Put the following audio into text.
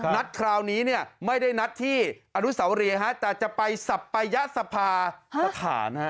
นัดคราวนี้ไม่ได้นัดที่อดุษัวรีแต่จะไปสัพพยศภา